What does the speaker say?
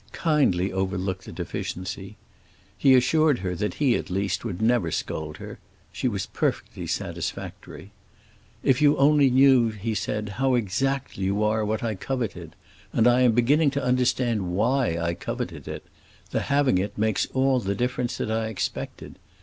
"Kindly overlook the deficiency." He assured her that he, at least, would never scold her; she was perfectly satisfactory. "If you only knew," he said, "how exactly you are what I coveted! And I am beginning to understand why I coveted it; the having it makes all the difference that I expected.